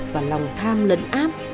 và lòng tham lẫn áp